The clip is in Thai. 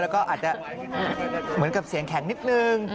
แล้วก็อาจจะเหมือนกับเสียงแข็งนิดนึง